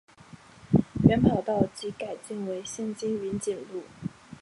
原跑道即改建为现今云锦路。